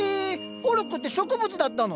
コルクって植物だったの？